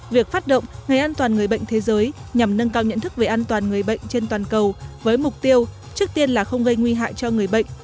việc phát động ngày an toàn người bệnh thế giới nhằm nâng cao nhận thức về an toàn người bệnh trên toàn cầu với mục tiêu trước tiên là không gây nguy hại cho người bệnh